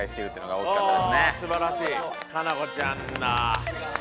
おすばらしい可奈子ちゃんだ。